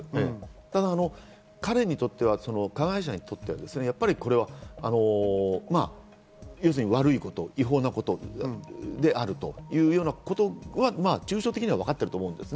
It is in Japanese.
ただ彼にとっては加害者にとっては悪いこと、違法なことであるということは抽象的にはわかっていると思うんです。